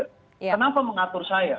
kenapa mengatur saya